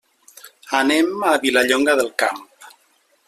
Anem a Vilallonga del Camp.